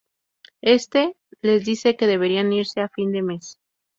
Éste les dice que deberían irse a fin de mes.